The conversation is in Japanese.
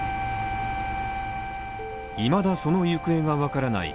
いまだその行方が分からない